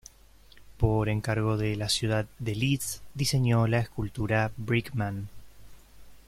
Por encargo de la ciudad de Leeds, diseñó la escultura Brick Man.